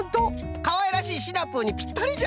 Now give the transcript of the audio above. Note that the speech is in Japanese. かわいらしいシナプーにぴったりじゃな！